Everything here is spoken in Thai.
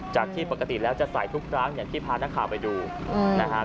จากที่ปกติแล้วจะใส่ทุกครั้งอย่างที่พานักข่าวไปดูนะครับ